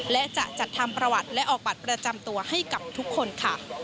และจะจัดทำประวัติและออกบัตรประจำตัวให้กับทุกคนค่ะ